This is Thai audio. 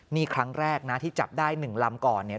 นี่ครั้งแรกนะที่จับได้๑ลำก่อนเนี่ย